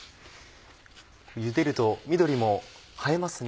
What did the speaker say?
ゆでると緑も映えますね。